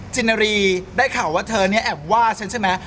จินรีได้ข่าวว่าเธอเนี่ยแอบว่าฉันใช่ไหม